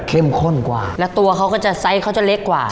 ข้นกว่าแล้วตัวเขาก็จะไซส์เขาจะเล็กกว่า